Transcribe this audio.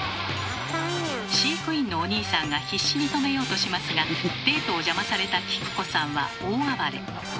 飼育員のおにいさんが必死に止めようとしますがデートを邪魔されたキク子さんは大暴れ。